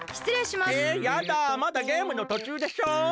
まだゲームのとちゅうでしょ！？